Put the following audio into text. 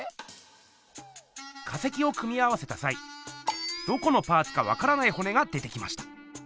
化石を組み合わせたさいどこのパーツかわからないほねが出てきました。